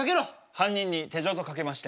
犯人に手錠とかけまして。